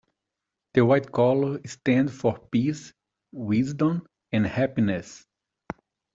The white color stands for peace, wisdom and happiness.